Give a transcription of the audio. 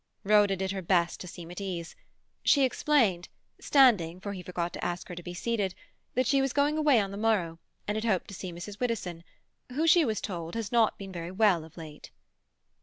Rhoda did her best to seem at ease; she explained (standing, for he forgot to ask her to be seated) that she was going away on the morrow, and had hoped to see Mrs. Widdowson, who, she was told, had not been very well of late.